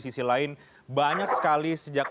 sisi lain banyak sekali sejak